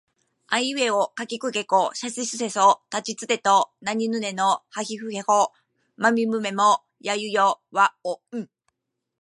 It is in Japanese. あいうえおかきくけこさしすせそたちつてとなにぬねのはひふへほまみむめもやゆよわをん